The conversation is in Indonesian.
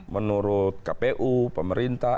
menurut kpu pemerintah